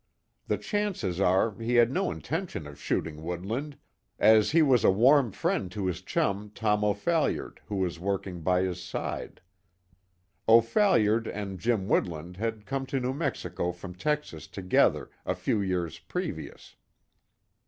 The chances are he had no intention of shooting Woodland, as he was a warm friend to his chum, Tom O'Phalliard, who was riding by his side. O'Phalliard and Jim Woodland had come to New Mexico from Texas together, a few years previous.